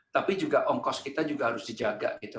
tapi juga ongkos kita juga harus dijaga gitu